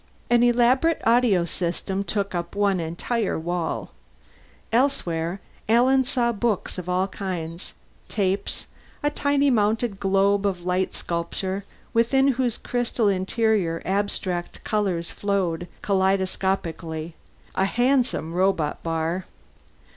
An elaborate audio system took up one entire wall; elsewhere, Alan saw books of all kinds, tapes, a tiny mounted globe of light sculpture within whose crystal interior abstract colors flowed kaleidoscopically, a handsome robot bar.